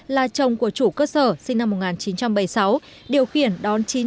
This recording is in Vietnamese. là chồng của chủ cơ sở sinh năm một nghìn chín trăm bảy mươi sáu điều khiển đón chín cháu